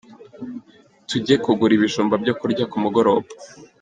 Tujye kugura ibijumba byo kurya kumugoroba